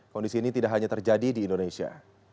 kondisi ini tidak hanya terjadi di indonesia